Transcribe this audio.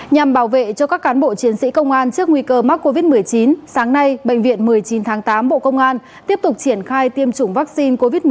nhằm bảo vệ cho các cán bộ chiến sĩ công an trước nguy cơ mắc covid một mươi chín sáng nay bệnh viện một mươi chín tháng tám bộ công an tiếp tục triển khai tiêm chủng vaccine covid một mươi chín